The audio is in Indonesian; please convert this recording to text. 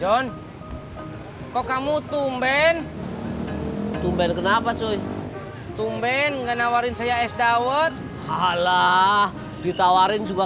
john kok kamu tumben tumben kenapa coy tumben nggak nawarin saya es dawet halah ditawarin juga